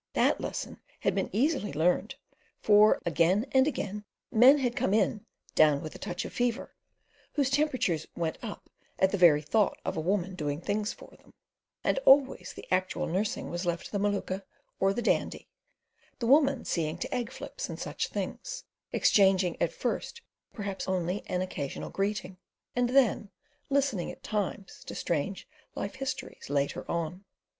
That lesson had been easily learned; for again and again men had come in "down with a touch of fever," whose temperatures went up at the very thought of a woman doing things for them, and always the actual nursing was left to the Maluka or the Dandy, the woman seeing to egg flips and such things, exchanging at first perhaps only an occasional greeting, and listening at times to strange life histories later on.